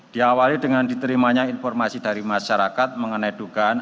diawali dengan diterimanya informasi dari masyarakat mengenai dugaan